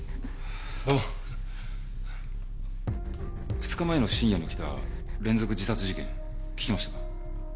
２日前の深夜に起きた連続自殺事件聞きましたか？